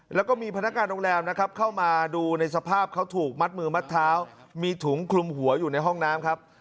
แล้วก็มีพนักงานโรงแรมนะครับเข้ามาดูในสภาพเขาถูกมัดมือมัดเท้ามีถุงคลุมหัวอยู่ในห้องน้ำครับ